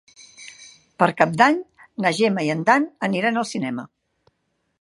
Per Cap d'Any na Gemma i en Dan aniran al cinema.